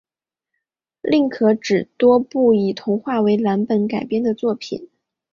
另可指多部以童话为蓝本改编的作品